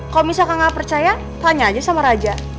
kalo misalkan gak percaya tanya aja sama raja